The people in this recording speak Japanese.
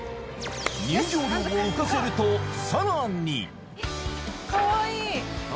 入場料を浮かせるとさらにかわいい！